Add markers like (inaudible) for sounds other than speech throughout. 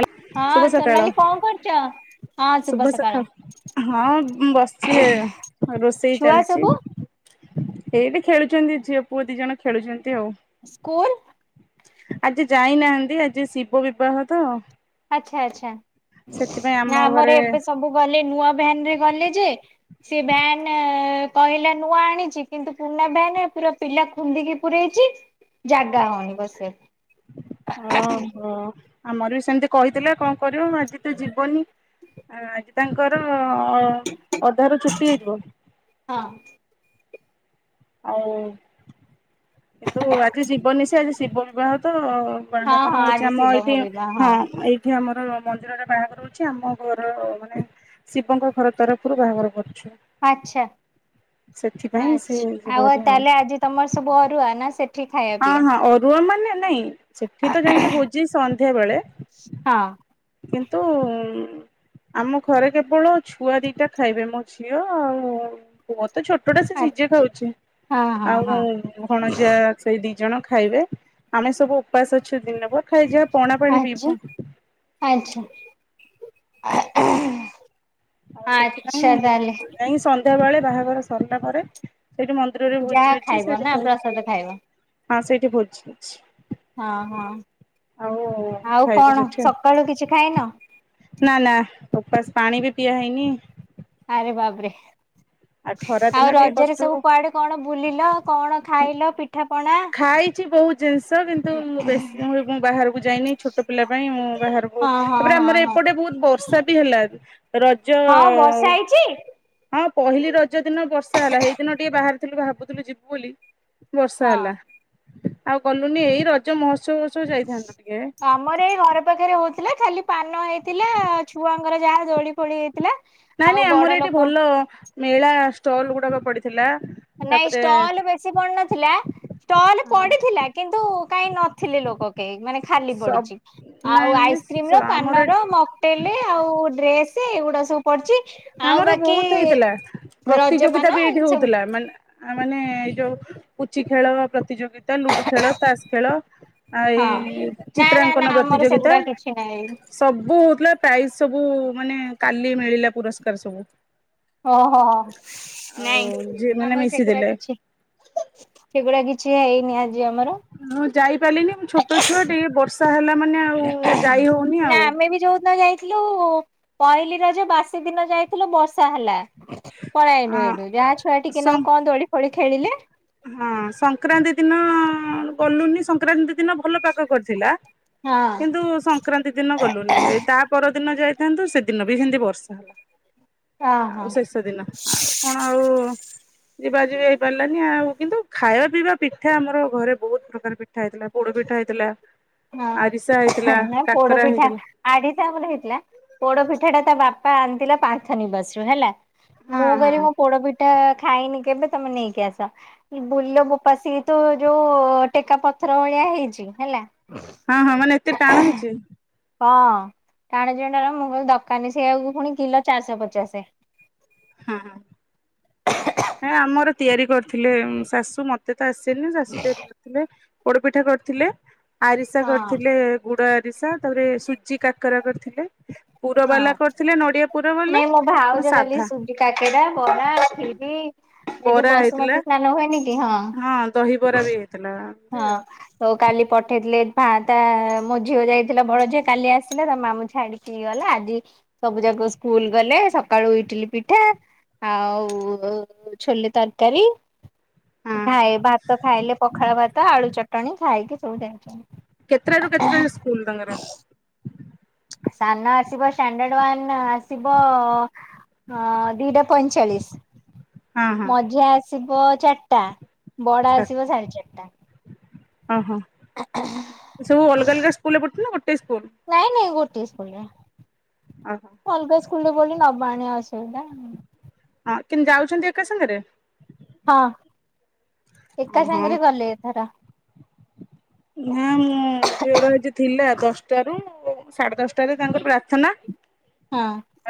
ଲ ହଁ ଶୁଭ ସକାଳ, ସୋନାଲି କଣ କରୁଛ? ଶୁଭ ସକାଳ, ହଁ ମୁଁ ବସିଛି ରୋଷେଇ ଛୁଆ ଚାଲିଛି। ସବୁ ଏଇଟି ଖେଳୁଛନ୍ତି ଝିଅ ପୁଅ ଦି ଜଣ ଖେଳୁଛନ୍ତି ଆଉ। ସ୍କୁଲ? ଆଜି ଯାଇନାହାନ୍ତି ଆଜି ଶିବ ବିବାହ ତ। ଆଚ୍ଛା ଆଚ୍ଛା ସେଥିପାଇଁ ଆମ ନା ଆମର ଘରେ ଏବେ ସବୁ ଗଲେ ନୂଆ ବୋନରେ ଗଲେ ଯେ ସେ ଭାନ କହିଲା ନୂଆ ଆଣିଛି କିନ୍ତୁ ପୁରୁଣା ଭ୍ୟାନ ପୁରା ପିଲା ଖୁନ୍ଦିକି ପୁରଇଛି ଜାଗା ହଉନ ବସିଆକୁ। ଓହୋ ଆମର ବି ସେ ସେମିତି କହିଥିଲା କଣ କରିବ ଆଜି ତ ଯିବନି ଆଜି ତାଙ୍କର ହଁ ଅଧ ର ଛୁଟି ହେଇଯିବ। ହଁ ଆଉ କିନ୍ତୁ ଆଜି ଜୀବନିଶ ଆଜି ଶିବ ବିବାହ ତ ହଁ ହଁ ବାହାଘର ହଉଛି ଆଜି ଆମ ଶିବ ଏଇଠି ଭୋଗିବା ହଁ ଏଇଠି ଆମର ଆ ମନ୍ଦିରରେ ବାହାଘର ହଉଛି ଆମ ଘର ମାନେ ଶିବଙ୍କ ଘର ତରଫରୁ ବାହାଘର କରୁ। ଆଛା ସେଥିପାଇଁ ସେ ଆଛା ଆଉ ଯିବନି ତାହେଲେ ଆଜି ତମର ସବୁ ଅରୁଆ ନା? ସେଠି ଖାଇବା ହଁ ପିଇବା? ହଁ ଅରୁଆ ମାନେ ନାଇଁ ସେଠି ତ ଯାଇକି ଭୋଜି ସନ୍ଧ୍ୟା ବେଳେ ହଁ କିନ୍ତୁ ଆମ ଘରେ କେବଳ ଛୁଆ ଦିଟା ଖାଇବେ ମୋ ଝିଅ ଆଉ ତ ଛୋଟଟା ସେ ସିଝେ ଆଚ୍ଛା ଖାଉଛି ହଁ ହଁ ହଁ ଆଉ ଭଣଯା ଦି ଜଣ ଖାଇବେ ଆମେ ସବୁ ଉପାସ ଅଛୁ ଦିନ ପ ଖାଇଯା ଆଚ୍ଛା ଆଚ୍ଛା। (inaudible) ଆଚ୍ଛା ତାହାଲେ ନ୍ଧ୍ୟାବେଳେ ବାହାଘର ସରିଲା ପରେ ସେଇଠି ମନ୍ଦିରରେ ଭୋଜି ଯାହା ଅଛି ଖାଇବ ସେଇଠି ନା ଖାଇବୁ ପ୍ରସାଦ ଖାଇବ? ହଁ ସେଇଠି ଭୋଜି ଅଛି। ହଁ, ହଁ ଆଉ ଆଉ ଖାଇବୁ କଣ ସେଠି ଆଉ ସକାଳୁ କିଛି ଖାଇନ? ଓପାସ ପାଣି ବି ପିଆ ହେଇନି ଆରେ ବାବରେ ଆଉ ଖରା ଆଉ ଦିନ ଟିକେ ରଜରେ କଷ୍ଟ ସବୁ ହବ କୁଆଡେ, କଣ ବୁଲିଲ, କଣ ଖାଇଲ, ପିଠା ପଣା? ଖାଇଛି ବହୁତ ଜିନିଷ କିନ୍ତୁ ବେଶୀ ମୁଁ ବାହାରକୁ ଯାଇନି। ଛୋଟ ପିଲା ପାଇଁ ମୁଁ ବାହାରକୁ ହଁ ହଁ ତାପରେ ହଁ ଆମର ହଁ ଏପଟେ ବହୁତ ବର୍ଷା ବି ହେଲା ରଜ ହଁ ବର୍ଷା ହେଇଛି? ହଁ ପହିଲି ରଜ ଦିନ ବର୍ଷା ହେଲା ହେଇଦିନ ଟିକେ ବାହାରିଥିଲୁ ଭାବୁଥିଲୁ ଯିବୁ ବୋଲି ବର୍ଷା ହଁ। ହେଲା ଆଉ ଗଲୁନି ଏଇ ରଜ ମହୋତ୍ସବ ଫୋତ୍ସବ ଯାଇଥାନ୍ତୁ ଟିକେ ଆମର ଏଇ ଘର ପାଖରେ ହଉ ଥିଲା ଖାଲି ପାନ ହେଇଥିଲା ଛୁଆଙ୍କର ଯାହା ଦୋଳି ଫୋଳି ହେଇଥିଲା। ନାଇଁ ଆଉ ନାଇଁ ବଡ ଆମର ଏଠି ଲୋକଙ୍କ ଭଲ ମେଳା ଷ୍ଟଲ ଗୁଡାକ ପଡିଥିଲା। ନାଇଁ ତାପରେ ଷ୍ଟଲ ବେଶୀ ପଡିନଥିଲା। ଷ୍ଟଲ ପଡିଥିଲା କିନ୍ତୁ କାଇହିଁ ନଥିଲି ଲୋକ କେହି ମାନେ ଖାଲି ସବ ପଡିଛି। ଆଉ ନାଇଁ ନାଇଁ ଆଇସ୍କ୍ରିମର, ଆମର ପାନର, ଏଠି ମକଟେଲ, ଆଉ ଡ୍ରେସ୍ ନ୍ତି ସେ ଏଗୁଡା ସବୁ ପଡିଛି। ଆମର ବହୁତ ହେଇଥିଲା ପ୍ରତିଯୋଗିତା ରଜପାନ ବି ଏଇଠି ଏମିତି ସବୁ ହଉଥିଲା ମାନେ ପିଲାମାନେ, ଏଇ ଯୋଉ ପୁଚି ଖେଳ ର ପ୍ରତିଯୋଗିତା, ଲୁଡୁ ଖେଳ, ତାସ ଖେଳ, ଆ, ହଁ ଏଇ ନା ନା ଚିତ୍ରାଙ୍କନ ନା ଆମର ପ୍ରତିଯୋଗିତା, ସେଗୁଡା କିଛି ନାହିଁ ସବୁ ହଉଥିଲା ପ୍ରାଇଜ ସବୁ ମାନେ, କାଲି ମିଳିଲା ପୁରସ୍କା । କରେସବୁ ଓହୋହୋ, ନାଇଁ, ଯିଏ ମାନେ ଆମର ସେଗୁଡା ମିଶିଥିଲେ କିଛି, ସେଗୁଡା କିଛି ସେଇ ନିଆଜ ମୁଁ ଯାଇପାରିଲିନି, ମୁଁ ଛୋଟ ଛୁଆ, ଟିକେ ବର୍ଷା ହେଲା ମାନେ ଆଉ (inaudible) ଯାଇ ହଉନି ନା, ଆଉ ଆମେ ବି ଯଉ ଦୀନ ଯାଇଥିଲୁ ଲୁ, ପହିଲି ରଜ ବାସି ଦିନ ଯାଇଥିଲୁ, ବର୍ଷା ହେଲା । ପଳେଇ ଆଇଲୁ ଅଁ ଏଠୁ ଗାଁ ଛୁଆ ଟିକେ, ସଂ କଣ ଦୋଳି ଦୋଳି ଖେଳିଲେ ହଁ, ସଂକ୍ରାନ୍ତି ଦିନ ଗଲୁନି, ସଂକ୍ରାନ୍ତି ଦିନ ଭଲ ପାଗ କରିଥିଲା । ହଁ। କିନ୍ତୁ, ସଂକ୍ରାନ୍ତି ଦିନ ଗଲୁନି, ତା ପରଦିନ ଯାଇ (unintelligible) ସେ ଦିନ ବି ସେମତି ବର୍ଷା ଓହୋ ଆଉ ହଁ ଶେଷ ଦିନ ଆଉ କଣ ଆଉ ଯିବା ଯିବି ହେଇ ପାରିଲାନି ଆଉ କିନ୍ତୁ ଖାଇବା ପିଇବା ପିଠା ଆମର ଘରେ ବହୁତ ପ୍ରକାର ପିଠା ହେଇଥିଲା ପୋଡ ପିଠା ହେଇଥିଲା ଆରିସା ହଁ ହେଇଥିଲା ନା କାକରା ପୋଡପିଠା ହେଇଥିଲା ଆରିସା ଆମ ହେଥିଲା ପୋଡପିଠାଟା ତା ବାପା ବାପା ଆଣିଥିଲା ପାନ୍ଥ ନିବାସରୁ ହେଲା ହଁ ମୁଁ ଗରି ହଁ ମୋ ପୋଡପି ଟ ଖାଇନି କେବେ ତମେ ନେଇକି ଆସ ବୁଲ ବୋପା ସେତୋ ଯୋଉ ଟେକା ପଥର ଭଳିଆ ହେଇଛି ହେଲା। ହଁ ହଁ ମାନେ ଏତେ ଟାଣ ହେଇଛି? ହଁ ଟାଣଜଣ୍ଡ ର ମୁଁ କଲି ଦୋକାନୀ ସେ ଆକୁ ପୁଣି କିଲୋ ଚାରିଶ ପଚାଶେ। ହୁଁ ହଁ। ହେ ଆମର ତିଆରି କରିଥିଲେ ଶାଶୁ ମ ତ ଆସନି ଶାଶୁ ତିଆରୀ କରିଥିଲେ। ପୋଡ ପିଠା କରିଥିଲେ। ଆରିସା ହଁ। କରିଥିଲେ ଗୁଡ ା ତାପରେ ସୁଜି କାକରା କରିଥିଲେ। ପୁର ହଁ ବାଲା କରିଥିଲେ ନଡିଆ ପୁର ବାଲା ନାଇଁ ମୋ ଆପଣ ଭାଉଯ କଲି ସାଧା ଶୁିଜି କାକେରା ବରା ଖିରି ଏ ଯୋଉ ବରା ହେଇଥିଲା। ବସୁମତୀ ସ୍ନାନ ହୁଏନି କି? କି ହଁ ଦହିବରା ବି ହେଇଥିଲା ଏମତି ଆଉ ହଁ ତ କାଲି ପଠେଇଥିଲେ ମାଁ ତା ମୋ ଝିଅ ଯାଇଥିଲା ବଡ ଝିଅ କାଲି ଆସିଲ ତ ମାମୁଁ ଛାଡିକି ହେ ଗଲା ଆଜି ସବୁ ଯାକ ସ୍କୁଲ ଗଲେ ସକାଳୁ ଇଟିଲି ପିଠା ଆଉ ଛୋଲେ ତରକାରୀ ହଁ ହଁ। ଭାଇ ଭାତ ଖାଇଲେ ପଖାଳ ଭାତ ତ ଆଳୁ ଚଟଣି ଖାଇକି ସବୁ ଯାଇଛନ୍ତି। କେତେଟ ରାରୁ କେତେଟ ସ୍କୁଲ ତାଙ୍କର? ସାନ ଆସିବ ଷ୍ଟାଣ୍ଡାର୍ଡ ୱନ୍ ଆସିବ ଅ ଦିଟା ପଇଁଚାଳିଶ। ହଁ ହଁ ମଝିଆ ଆସିବ ଚାରଟା ବଡା ଆସିବ ସାଢେ ଚାରିଟା। ଓ ହଁ ସବୁ ଅଲଗା ଅଲଗା ସ୍କୁଲରେ ପଠୁଛନ୍ତି ନା ସ୍କୁଲ ନାଇଁ ନାଇଁ ଗୋ ଟେଷ୍ଟ ବଢିଆ ଓହୋ ଅଲଗା ସ୍କୁଲରେ ବୋଲି ନବାଣଣିଆ ଅସୁ ଶୋଇଲାଣି ହଁ କିନ୍ତୁ ଯାଉଛନ୍ତି ଏକା ସାଙ୍ଗରେ ହଁ ଏକା ଓହୋ। ସାଙ୍ଗରେ ଗଲେ ଏଥର। ନା ମୁଁ ଝିଅର ଝିଅର ଆଜି ଥିଲା ଦଶଟାରୁ ସାଢେ ଦଶଟାରେ ତାଙ୍କର ପ୍ରାର୍ଥନା ହଁ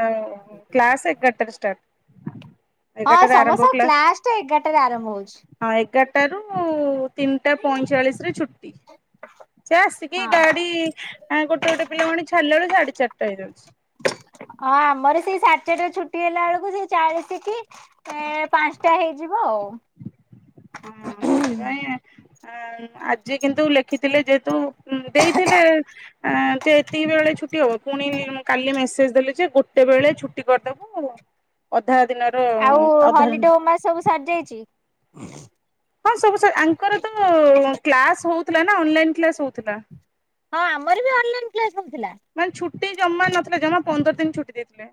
ଆଉ କ୍ଲାସ୍ ଏଗାଟାରେ ଷ୍ଟାଟ। ହଁ ସମସ୍ତ କ୍ଲାସ୍ ଟା ଏଗାରଟାରେ ଆରମ୍ଭ ହଉଛି। ଟାରୁ ଉ ତିନିଟା ପଇଁଚାଳିଶରେ ଛୁ ସେ ଆସିକି ହଁ ଗାଡ଼ି ଆ ଗୋଟେ ଗୋଟେ ଗୋଟେ ପିଲା ଙ୍କୁ ଆଣିକି ଛାଡିଲା ଏଳୁକୁ ସାଢେ ଚାରିଟା ହେଇଯାଉଛି। ହଁ ଆମର ସେଇ ସାଡ଼େ ଚାରିଟା ଛୁଟି ହେଲା ବେଳକୁ ସେଇ ଚାଳିଶି କି ପାଞ୍ଚଟା ହେଇଯିବ ଆଉ। ହଁ ସେଥିପାଇଁ ଆ ଆଜି କିନ୍ତୁ ଲେଖିଥିଲେ ଯେହେତୁ ଦେଇଥିଲେ ଆଁ ଯେ ଏତିକି ବେଳେ ଛୁଟି ପୁଣି କାଲି ମେସେଞ୍ଜ ଦେଲି ଯେ ଗୋଟେ ଏତେବେଳେ ଛୁଟି କରିଦେବୁ ଅ ଆଉ ହଲିଡେ ଉମା ସବୁ ସାରଯାଇଛି। (inaudible) ହଁ ସବୁ ସ ଆଙ୍କର ତ କ୍ଲାସ୍ ହଉ ଥିଲାନା ଅନଲାଇନ୍ କ୍ଲାସ୍ ହଉଥିଲା। ହଁ ଆମର ବି ଅନଲାଇନ୍ କ୍ଲାସ୍ ହଉଥିଲା। ମାନେ ଛୁଟି ଜମା ନଥିଲା ଜମା ପନ୍ଦର ଦିନି ଛୁଟି ଦେଇଥିଲେ।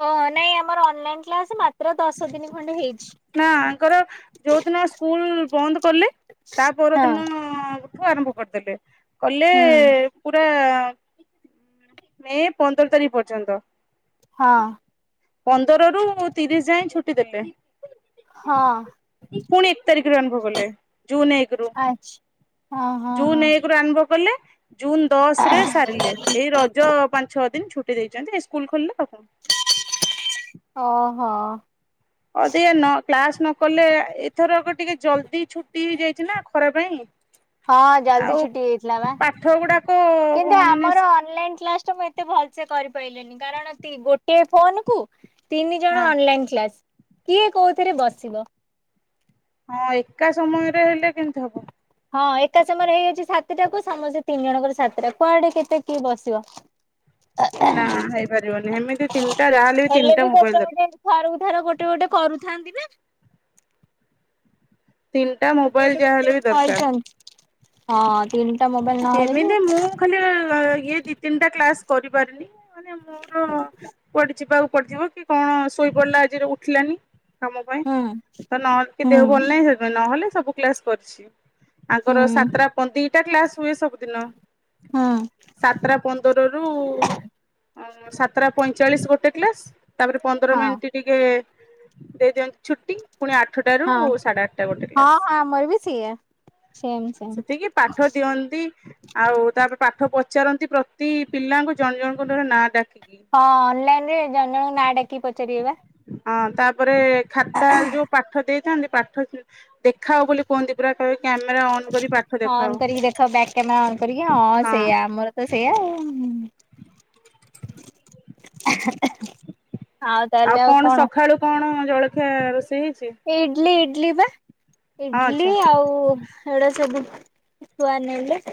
ହଁ ନାଇଁ ଆମର ଅନଲାଇନ୍ କ୍ଲାସ ମାତ୍ର ଦଶ ଦିନ ଖଣ୍ଡେ ହେଇ ନା ଆଙ୍କର ଯୋଉଦିନ ସ୍କୁଲ୍ ବନ୍ଦ କଲେ ତା ହଁ ପରଦିନ ଠୁ ଆରମ୍ଭ କରିଦେଲେ। କଲେ ହୁଁ ପୁରା ମେ ପନ୍ଦର ତାରିଖ ପର୍ଯ୍ୟନ୍ତ। ହଁ ପନ୍ଦର ରୁ ତିରିଶି ଯାଏଁ ଛୁ ଛୁଟି ଦେଲେ। ହଁ ପୁଣି ଏକ ତାରିଖରୁ ଆରମ୍ଭ କଲେ ଜୁନ୍ ଏକ ରୁ ଆଚ୍ଛା। ହଁ ହଁ ହଁ ଜୁନ୍ ଏକ ରୁ ଆରମ୍ଭ ଗଲେ ଜୁନ୍ ଦଶ୍ ରେ ସାରିଲେ ଏଇ ରଜ ପାଞ୍ଚ ଛ ଦିନ୍ ଛୁଟି ଦେଇଛନ୍ତି ଏଇ ସ୍କୁଲ୍ ଖୋଲିଲେତ ଅ। ହଁ। (inaudible) କ୍ଲାସ ନ କଲେ ଏଥରକ ଟିକେ ଜଲଦି ଛୁଟି ହେଇଯାଇଛି ନା ଖରା ପାଇଁ ହଁ ଜଲଦି ଆଉ ଛୁଟି ହେଇଥିଲା ବା ପାଠ ଗୁଡାକ କିନ୍ତୁ ମାନେ ଆମର ଅନଲାଇନ କ୍ଲାସ ତ ମୁ ଏତେ ଭଲ ସେେ କରିପାରନି କାରଣ ଗୋଟେ ଫୋନ କୁ ତିନି ହଁ ଜଣ ଅନଲାଇନ୍ କ୍ଲାସ୍। କିଏ କୋଉଥିରେ ବସିବ ହଁ ଏକା ସମୟରେ ହେଲେ କେମତି ହବ ହଁ ଏକା ସମୟରେ ହେଇଯାଉଛି ସାତଟା କୁ ସମସ୍ତେ ତିନି ଜଣଙ୍କର ସାତଟା କୁଆଡେ କେତେ କିଏ ବସିବ। ନା ହେଇପାରିବନି ଏମିତି ତିନିଟା ଯାହାହେଲେ ହେଲେ ତିନିଟା ବି ମୋବାଇଲ ଗୋଟେ ଦରକାର। ଗୋଟେ ଥରକୁ ଥର ଗୋଟେ ଗୋଟେ କରୁଛି। (unintelligible) ତିନିଟା ମୋବାଇଲ ଯାହାହେଲେ ବି ଗୋଟେ ଦରକାର। କରିଛନ୍ତି ହଁ ତିନି ଏମିତି ମୁଁ ଖାଲି ଇଏ ଦି ତିନିଟା କ୍ଲାସ କରିପାରିନି ମାନେ ମୋର ପଡିଛି ବା ପଡିଯିବ କି କଣ ଶୋଇ ପଡିଲା ଆଜିରେ ଉଠିଲାନି କାମ ପାଇଁ ହୁଁ ତ ନହେଲେ କି ହୁଁ ଦେହ ଭଲ ନାହିଁ ସେଥିପାଇଁ ନହେଲେ ସବୁ କ୍ଲାସ କରିଛି। ହୁଁ ତାଙ୍କର ସାତଟା ପନ୍ଦି କ୍ଲାସ ହୁଏ ସବୁ ଦିନ ହୁଁ ହଁ ସାତଟା ପନ୍ଦର ରୁ ହଁ ମୋ ସାତଟା ପଇଁଚାଳିଶ ଗୋଟେ କ୍ଲାସ୍। ତାପରେ ପନ୍ଦର ହଁ ମିନିଟ୍ ଟିକେ ଦେଇଦିଅନ୍ତି ଛୁଟି। ପୁଣି ଆଠଟାରୁ ହଁ ସାଢ଼େ ଆଠଟା ଗୋଟେ ହଁ କ୍ଲାସ୍। ଆମର ବି ସେଇଆ ସେମ୍ ସେମ୍। ସେତିକି ପାଠ ଦିଅନ୍ତି। ଆଉ ତାପରେ ପାଠ ପଚାରନ୍ତି ପ୍ରତି ପିଲାଙ୍କୁ ଜଣ ଜଣଙ୍କୁ ଧରି ନାଁ ଡା ହଁ ଅନଲାଇନ୍ ରେ ଜଣ ଜଣ ନାଁ ଡ଼ାକିକି ପଚାରିବେ ବା। ହଁ ତାପରେ ଖାାତାରେ ଯୋଉ ପାଠ ଦେଇଥାନ୍ତି ପାଠ ସି ଅନ୍ କରି ପାଠ ଦେଖାଅ ଅନ୍ ହଁ। କରିକି ଦେଖାଅ ବ୍ୟାକ୍ କ୍ୟାମେରା ଅନ୍ କରିକି, ହଁ ସେଇୟା ଆମର ତ ସେଇୟା। ଉଁ, ହୁଁ, ହୁଁ। ଆଉ କଣ ସଖାଳୁ କଣ ଜଳଖିଆ ରୋଷେଇ ହେଇ ଇଡଲି ଇ ଟ୍ଲି ପା। ହଁ ଇଡଲି ଆଚ୍ଛା। ଆଉ ଏଉଡା ସବୁ ଛୁଆ ନେଲେ।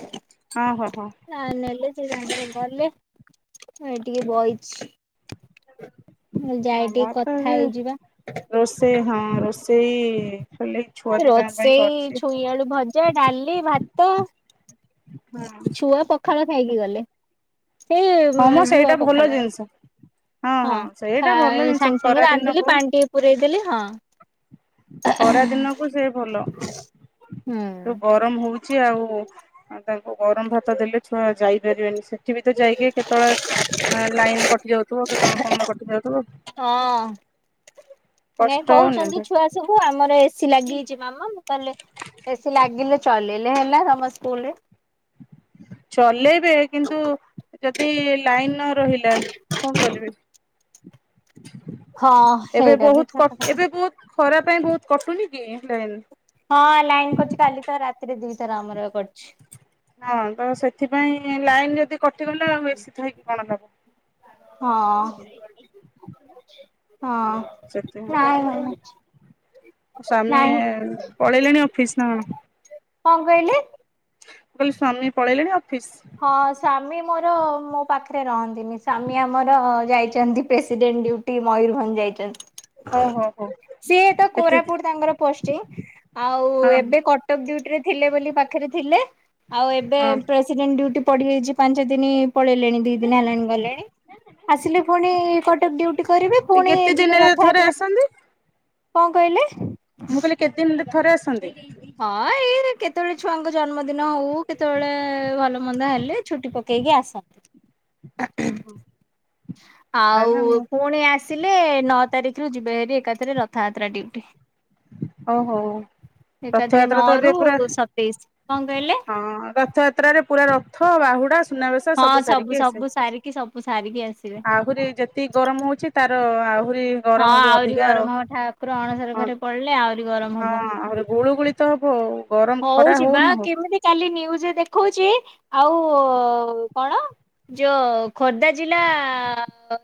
ଓହୋ। ନା ନେଲେ ଯେ ତାଙ୍କର ଗଲେ। ଏଇ ଟିକିଏ ବଇଛି। ମୁଁ ଯାଏ ହଁ ଟିକେ ମୋର ତ କଥା ଏବେ ହେଇଯିବା। ରୋଷେଇ ହଁ ରୋଷେଇ ଖାଲି ଛୁଆ ଦିଟାଙ୍କ ପାଇଁ ରୋଷେଇ କରିଛି। ଛୁଇଁଆଳୁ ଭଜା, ଡାଲି, ଭାତ। ହଁ ଛୁଆ ପଖାଳ ଖାଇକି ଗଲେ। ସେଇ ଉଁ, ହଁ ମ ଧୂଆ ସେଇଟା ଭଲ ପଖାଳ, ଜିନିଷ ହଁ ସେଇଟା ଭଲ ଖା-ସାଙ୍ଗେ ଜିନିଷ ସାଙ୍ଗେ ଖରା ରାନ୍ଧିଲି ଦିନକୁ ପାଣି ଟିକେ ପୂରେଇ ଦେଲି। ହଁ। ଖରା ଦିନକୁ ସେ ଭଲ। ହୁଁ ଯୋଉ ଗରମ ହଉ ଛି, ଆଉ ତାଙ୍କୁ ଗରମ ଭାତ ଦେଲେ ଛୁଆ ଯାଇପାରିବେନି ସେ ଏଠି ବି ତ ଯାଇକି କେତେବେଳେ ଏଁ, ଲାଇନ୍ କଟି ଯାଉଥୁବ। କେତେବେଳେ କଣ କଟି ଯାଉଥୁବ। ହଁ ନାଇଁ କଷ୍ଟ କହୁଛନ୍ତି ହଉନି ଛୁଆ ସବୁ ଆମର ଏସିି ଲାଗି ହେଇଛି ମାମା ମୁଁ ତାହେଲେ ଏସିି ଲାଗିଲେ ଚଲେଇଲେ ହେଲା ତମ ସ୍କୁଲରେ। ଚଲେଇ ବେ କିନ୍ତୁ ଯଦି ଲାଇନ ନ ରହିଲା କଣ କରିବେ? ହଁ ଏବେ ସେଇଟା ବି ବହୁତ ସତ କ କଥା। ଏବେ ବହୁତ ଖରା ପାଇଁ ବହୁତ କଟୁନି କି ଲାଇନ। ହଁ ଲାଇନ୍ କଟୁଛି। କାଲି ତ ରାତିରେ ଦି ଥର ଆମର କଟିଛି। ହଁ ତ ସେ ସେଥିପାଇଁ ଲାଇନ ଯଦି କଟିଗଲେ ଆଉ ଏସି ଥାଇକି କଣ ଲାଭ ହଁ ହଁ ସେଥିପାଇଁ ନାଇଁ ନାଇଁ ସ୍ୱାମୀ ନାହିଁ। ପଳେଇଲେଣି ଅଫିସ ନା କଣ? କଣ କହିଲେ? ମୁଁ କହିଲି ସ୍ୱାମୀ ପଳେଇଲେଣି ଅ ହଁ ସ୍ୱାମୀ ମୋର ମୋ ପାଖରେ ରହନ୍ତିନି। ସ୍ୱାମୀ ଆମର ଯାଇଚନ୍ତି ପ୍ରେସିଡେଣ୍ଟ ଡ୍ୟୁଟି ମୟୁରଭଞ୍ଜ ଯାଇଚନ୍ତି। ହଉ ହଉ ହଉ ସିଏ ତ ଏତେ କୋରାପୁଟ ତାଙ୍କର ପୋଷ୍ଟିଙ୍ଗ ଆଉ ହଁ ଏବେ କଟକ ଡ୍ୟୁଟି ରେ ଥିଲେ ବୋଲି ପା ପାଖରେ ଥିଲେ ଆଉ ଏବେ ହଁ ପ୍ରେସ୍ ଡେଣ୍ଟ ଡ୍ୟୁଟି ପଡିଯାଇଚି ପାଞ୍ଚ ଦିନି ପଳେଇଲେଣି ଦି ଦିନ ହେଲାଣି ଗଲେଣି। ଆସିଲେ ପୁଣି କଟକ ଡ୍ୟୁଟି କରିବେ ଏ ପୁଣି କେତେ ଯିବେ ଦିନରେ ଥରେ ରଥଯାତ୍ରା। ଆସନ୍ତି? କଣ କହିଲେ? ମୁଁ କହିଲି କେତ୍ ଦିନରେ ଥରେ ଆସନ୍ତି? ହଁ ଏଇ ରେ କେତେବେଳେ ଛୁଆଙ୍କ ଜନ୍ମଦିନ ହଉ କେତେବେଳେ ଭଲ ମନ୍ଦ ହେଲେ ଛୁଟି ପକା ପକେଇକି ଆସନ୍ତି। ତାହେଲେ ଆଉ ମୁଁ ପୁଣି ଆସିଲେ ନଅ ତାରିଖରୁ ଯିବେ ହେରି ଏକାଥରେ ରଥଯାତ୍ରା ଡ୍ୟୁଟି। ଓହୋ ଏକାଥରେ ରଥଯାତ୍ରା ନଅ ତ ଏବେ ରୁ ପୁରା ସତେଇଶ କଣ କହିଲେ? ହଁ ରଥଯାତ୍ରାରେ ପୁରା ରଥ ବାହୁଡା ଶ ସୁନାବେଶ ହଁ ସବୁ ସାରିକି ଆସେ। ସବୁ ସାରିକି ସବୁ ସାରିକି ଆସିବେ। ଆହୁରି ଯେତିକି ଗରମ ହଉଚି ତାର ଅ ଆହୁ ହଁ ଆହୁରି ଗରମ ହବ ଠାକୁର ଅଣସର ଘରେ ହଁ ପଡିଲେ ଆହୁରି ଗରମ ଅଁ ଆହୁରି ଗୁଳୁଗୁଳି ତ ତ ଭୋଉ ହଉଚି ବା କେମିତି କାଲି ନିୟୁଜ୍ ରେ ଦେଖଉଚି? ଆଉଉ କଣ ଯୋ ଖୋର୍ଦ୍ଧା ଜିଲ୍ଲାଆ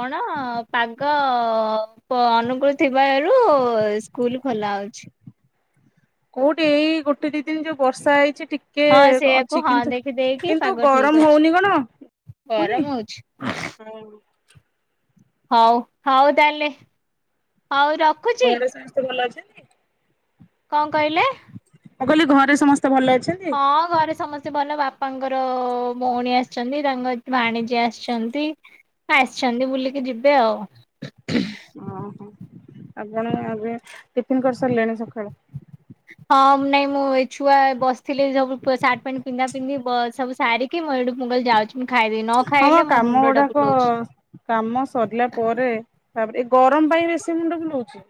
କଣ ପାଗଅ ପ ଅନୁକୂଳୁ ଥିବାରୁ ସ୍କୁଲ ଖୋଲାହୋଉଛି। କୋଉଟି ଏଇ ଗୋଟେ ଦିଇ ଦିନ ଯୋଉ ବର୍ଷା ହେଇଚି ଟିକ କିଏ ହଁ ସେଇଆକୁ ଅଛି ହଁ କିନ୍ତୁ ଦେଖିଦେଇକି କିନ୍ତୁ ପାଗ ଗରମ ଠିକ ଅଛି। ହଉନି କଣ ଗରମ ହଉନି ହଉଛି ହଁ। ହଉ ହଉ ତାହେଲେ। ହଉ ରଖୁଚି। ଘରେ ସମସ୍ତେ ଭଲ ଅଛନ୍ତି କଅଁ କହିଲେ? ମୁଁ କଇଲି ଘରେ ସମସ୍ତେ ଭଲ ଅଛନ୍ତି? ହଁ ଘରେ ସମସ୍ତେ ଭଲ ବାପାଙ୍କର ଙ୍କର ଭଉଣୀ ଆସିଚନ୍ତି। ତାଙ୍କ ଭାଣିଜୀ ଆସିଚନ୍ତି। ଆସଚନ୍ତି ବୁଲିକି ଯିବେ ଆଉ। ଓଁହୋ ଆପଣ ଏବେ ଟିଫନ୍ କରିସାରିଲେଣି ସକାଳୁ? ହଁ ନାଇଁ ମୁଁ ଏ ଛୁଆ ବସିଥିଲେ ସବୁ ପ-ସାର୍ଟ ପ୍ୟାଣ୍ଟ ପିନ୍ଧା ପିନ୍ଧି ଵ ସବୁ ସାରିକି ମୁଁ ଏଇଠୁ ମୁ କଇଲି ଯାଉଚି। ହଁ କାମ ଗୁଡାକ କାମ ସରିଲା ପରେ ତାପରେ ଏ ଗରମ ପାଇଁ ବେଶୀ ମୁଣ୍ଡ ବୁଲୁଛି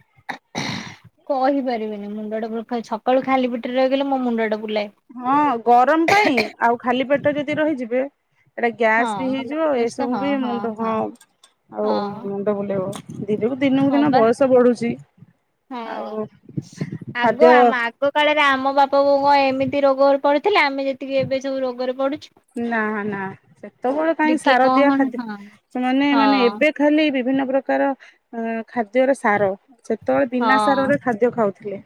କହିପାରିବିନି ମୁଣ୍ଡ ଟା ସକାଳୁ ଖାଲି ପିଟରେ ରହିଗଲେ ମୋ ମୁଣ୍ଡ ଟା ବୁଲାଏ। ହଁ ଗରମ ପାଇଁ ଆଉ ଖାଲି ପେଟ ଯଦି ରହିଯିବେ ଏଇଟା ଗ୍ୟାସ୍ ହଁ ବି ମୁଣ୍ଡ ହେଇଯିବ ଆଉ ବୁଲଉଛି ତ ଏସବୁ ହଁ ବି ମୁଣ୍ଡ ହଁ ଆଉ ହଁ ମୁଣ୍ଡ ବୁଲେଇବ। ଦିନକୁ ଦିନକୁ ହଁ ଦିନ ବା ବୟସ ବଢୁଛି। ହଁ ଆଉ ଆଗ ଖାଦ୍ୟ ଆମ ଆଗ କାଳରେ ଆମ ବାପା କଣ ଏମିତି ରୋଗରେ ପଡୁଥିଲେ ଆମେ ଯେତିକି ଏବେ ସବୁ ରୋଗରେ ପଡୁ ନା ନା ସେତେବେଳେ କାହିଁ ଟିକେ ସାର ଦିଆ କଣ ଖାଦ୍ୟ ହଁ ସେମାନେ ମାନେ ହଁ ଏବେ ଖାଲି ବି ବିଭିନ୍ନ ପ୍ରକାର ଖାଦ୍ୟର ସାର ସେତେବେଳେ ଦନା ହଁ ସାରରେ ଖାଦ୍ୟ ଖାଉଥିଲେ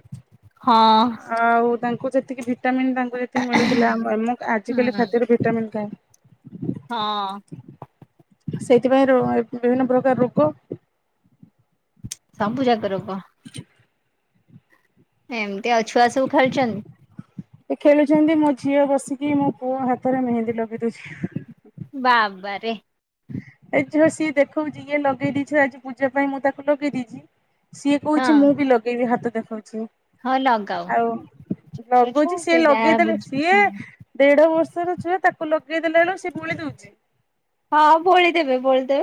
ହଁ ଆଉ ତାଙ୍କୁ ଯେତିକି ଭି ଭିଟାମିନ୍ ତାଙ୍କୁ ଯଦି ମିଳୁଥିଲା ମୁଁ ଆଜିକାଲି ହୁଁ ସେ କାଇଁ ହଁ ସେଇଥିପାଇଁ ବିଭିନ୍ନ ପ୍ରକାର ରୁକୋ ସବୁ ଯାକ ଏମ ନ୍ତି ଅଉ ଛୁଆ ସୁବୁ ଖେଳୁଛନ୍ତି। ଖେଳୁଛନ୍ତି ମୋ ଝିଅ ବସିକି ମୋ ପୁଅ ହାତରେ ମେହେନ୍ଦୀ ଲଗେଇ ଦଉଛି। ବାବାରେ ଏ ଝିଅ ସିଏ ଦେଖାଉଛି ଇଏ ଲଗେଇ ଦେଇଛି ଆଜି ପୂଜା ପାଇଁ ମୁଁ ତାକୁ ଲଗେଇ ଦେଇଛି। ସିଏ ହଁ କହୁଛି ମୁଁ ବି ଲଗେଇବି ଦେଖଉଛି। ହଁ ଲଗାଉ ଆଉ ଆଛା ଲଗଉଛି ସେ ସିଏ ଯାହା ଲଗେଇଦେଲେ ବୁଝ ସିଏ ଦେଢ ବର୍ଷ। (unintelligible) ତାକୁ ଲଗେଇ ଦେଲେ (unintelligible) ହଁ ବୋଳି (unintelligible) ବୋଳିଦେବେ।